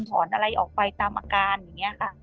อะไรออกไปตามอาการอย่างนี้ค่ะ